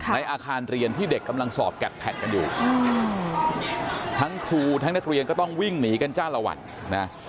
ในอาคารเรียนที่เด็กกำลังสอบแกดแพทกันอยู่ทั้งครูทั้งนักเรียนก็ต้องวิ่งหนีกันจ้าละวันนะ